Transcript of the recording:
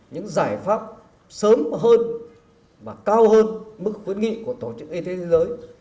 những giải pháp sớm hơn và cao hơn mức khuyến nghị của tổ chức y tế thế giới